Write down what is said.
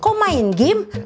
kok main game